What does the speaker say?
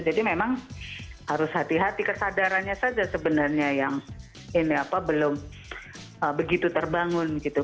jadi memang harus hati hati kesadarannya saja sebenarnya yang ini apa belum begitu terbangun gitu